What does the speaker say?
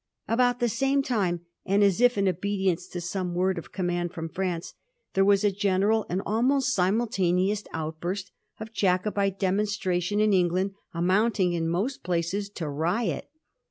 About the same time, and as if in obedience to some word of command from France, there was a general and almost simultaneous outburst of Jacobite demonstration in England, amounting in most places to riot.